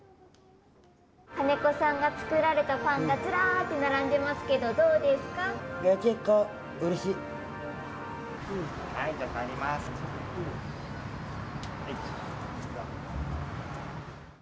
金子さんが作られたパンがずらっと並んでいますが結構うれしいです。